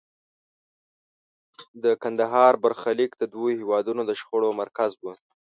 د کندهار برخلیک د دوو هېوادونو د شخړو مرکز و.